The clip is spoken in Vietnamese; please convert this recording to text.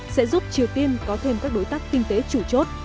sẽ giúp triều tiên có thêm các đối tác kinh tế chủ chốt